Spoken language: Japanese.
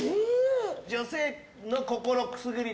女性の心くすぐり